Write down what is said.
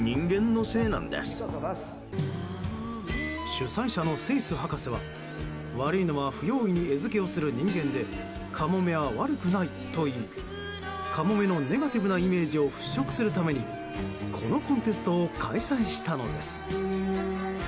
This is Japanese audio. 主催者のセイス博士は悪いのは不用意に餌付けをする人間でカモメは悪くないと言いカモメのネガティブなイメージを払拭するためにこのコンテストを開催したのです。